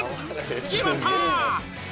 決まった！